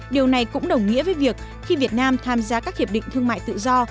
điều này cũng đồng nghĩa với việc khi việt nam tham gia các hiệp định thương mại tự do